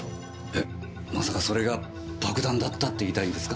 まさかそれが爆弾だったって言いたいんですか？